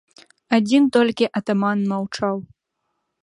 Адзін толькі атаман маўчаў.